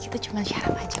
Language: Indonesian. itu cuma syarang aja